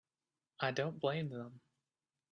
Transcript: I don't blame them.